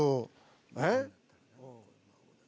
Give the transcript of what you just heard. えっ？